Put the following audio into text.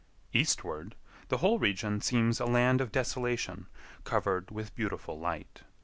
Eastward, the whole region seems a land of desolation covered with beautiful light.